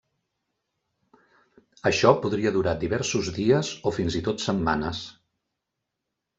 Això podria durar diversos dies o fins i tot setmanes.